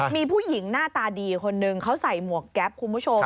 มีผู้หญิงหน้าตาดีคนนึงเขาใส่หมวกแก๊ปคุณผู้ชม